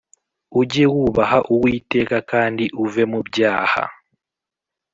ujye wubaha uwiteka kandi uve mu byaha